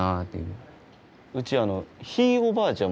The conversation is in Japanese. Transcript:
うちひいおばあちゃん